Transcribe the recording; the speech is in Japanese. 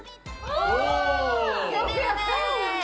お！